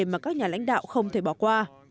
mà các nhà lãnh đạo không thể bỏ qua